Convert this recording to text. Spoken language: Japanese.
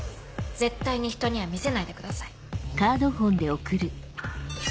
絶対にひとには見せないでください。